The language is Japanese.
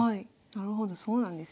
なるほどそうなんですね。